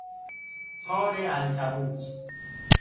تار عنکبوت